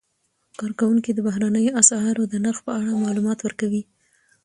کارکوونکي د بهرنیو اسعارو د نرخ په اړه معلومات ورکوي.